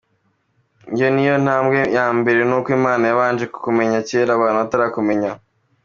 Iyo ni yo ntambwe yambere ni uko Imana yabanje kukumenya kera abantu batarakumenya.